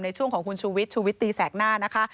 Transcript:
ในช่วงของคุณชูวิทยชูวิตตีแสกหน้านะคะ